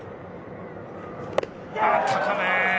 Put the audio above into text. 高め。